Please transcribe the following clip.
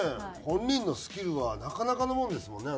本人のスキルはなかなかのもんですもんね